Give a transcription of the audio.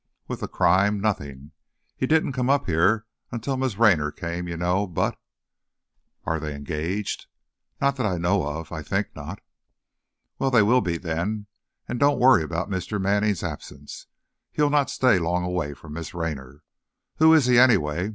"With the crime? Nothing. He didn't come up here until Miss Raynor came, you know. But " "Are they engaged?" "Not that I know of. I think not." "Well, they will be, then. And don't worry about Mr. Manning's absence. He'll not stay long away from Miss Raynor. Who is he, anyway?